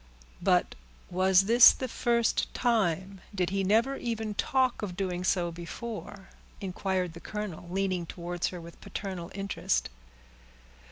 "But was this the first time? Did he never even talk of doing so before?" inquired the colonel, leaning towards her with paternal interest.